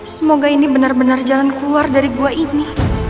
semoga ini benar benar jalan keluar dari gua ini